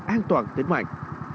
an toàn tình mạng